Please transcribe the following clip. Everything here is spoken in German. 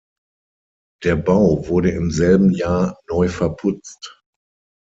Der Bau wurde im selben Jahr neu verputzt.